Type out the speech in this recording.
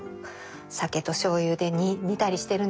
酒としょうゆで煮たりしてるんでしょうね。